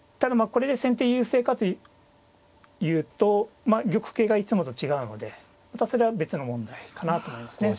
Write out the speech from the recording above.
これで先手優勢かというと玉形がいつもと違うのでまたそれは別の問題かなと思いますね。